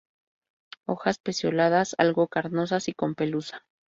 Hojas pecioladas, algo carnosas y con pelusa.